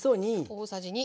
大さじ２。